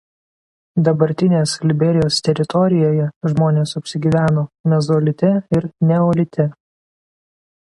Dabartinės Liberijos teritorijoje žmonės apsigyveno mezolite ir neolite.